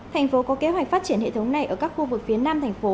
thành phố có kế hoạch phát triển hệ thống này ở các khu vực phía nam thành phố